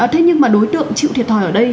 thế nhưng mà đối tượng chịu thiệt thòi ở đây